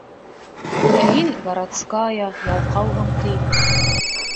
Ә һин, городская, ялҡауһың, ти.